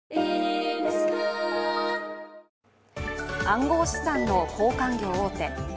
暗号資産の交換業大手